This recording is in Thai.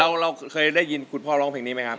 เราเคยได้ยินคุณพ่อร้องเพลงนี้ไหมครับ